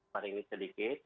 mari ini sedikit